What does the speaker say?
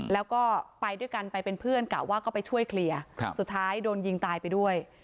แล้วก็ไปด้วยกันไปเป็นเพื่อนกะว่าก็ไปช่วยเคลียร์สุดท้ายโดนยิงตายไปด้วย